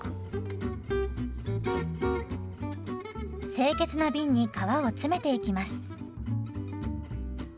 清潔な瓶に皮を詰めていきます。